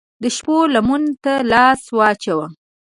د شپو لمنو ته لاس واچوي